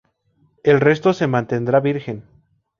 El resto se mantendrá virgen.